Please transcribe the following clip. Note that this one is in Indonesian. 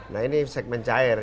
nah ini segmen cair